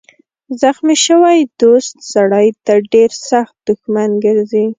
زخمي شوی دوست سړی ته ډېر سخت دښمن ګرځي.